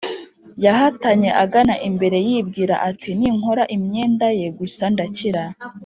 yahatanye agana imbere yibwira ati: “ninkora imyenda ye gusa ndakira”